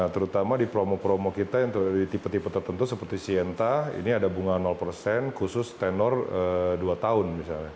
terutama di promo promo kita yang di tipe tipe tertentu seperti sienta ini ada bunga persen khusus tenor dua tahun misalnya